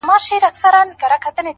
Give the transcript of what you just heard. زما د زنده گۍ له هر يو درده سره مله وه!